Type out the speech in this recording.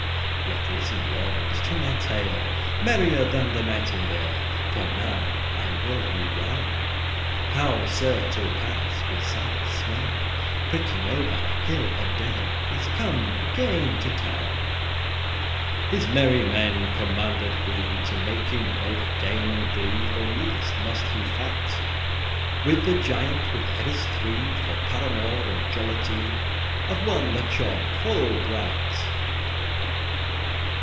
<17> Yet listen, lordings, to my tale, Merrier than the nightingale, For now I will you rown,* *whisper How Sir Thopas, with sides smale,* *small <18> Pricking over hill and dale, Is come again to town. His merry men commanded he To make him both game and glee; For needes must he fight With a giant with heades three, For paramour and jollity Of one that shone full bright.